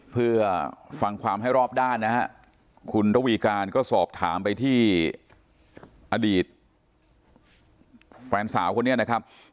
เพื่อฟังความให้รอบด้านนะฮะคุณระวีการก็สอบถามไปที่อดีตแฟนสาวคนนี้นะครับ